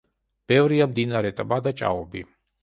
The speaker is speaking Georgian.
ბევრია მდინარე, ტბა და ჭაობი.